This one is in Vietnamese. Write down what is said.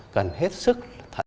cần hết sức thận